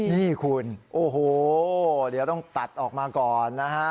นี่คุณโอ้โหเดี๋ยวต้องตัดออกมาก่อนนะฮะ